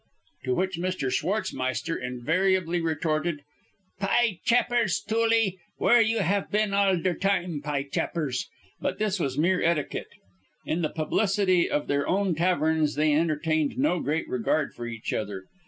To which Mr. Schwartzmeister invariably retorted: "Py chapers, Tooley, where you haf been all der time, py chapers?" But this was mere etiquette. In the publicity of their own taverns they entertained no great regard for each other.